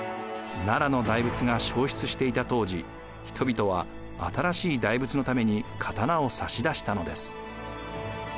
奈良の大仏が消失していた当時人々は新しい大仏のために刀を差し出したのです。